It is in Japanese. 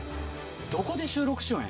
どこで収録しよんや？